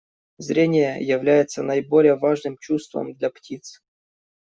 Зрение является наиболее важным чувством для птиц.